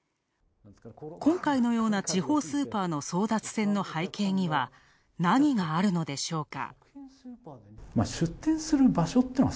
今回のような地方スーパーの争奪戦の背景には、何があるのでしょうか。